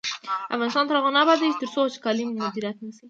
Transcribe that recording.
افغانستان تر هغو نه ابادیږي، ترڅو وچکالي مدیریت نشي.